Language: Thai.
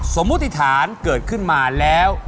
สมมุติฐานเกิดขึ้นมาแล้ว